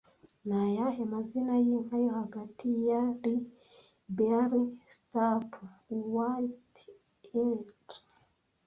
Ni ayahe mazina y'inka yo hagati yari Berry Stapp Wyatt Earp